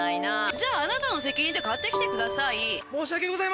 じゃああなたの責任で買ってきてください。